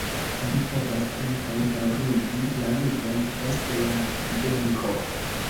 Li povas ankaŭ daŭrigi la ludon post la venko.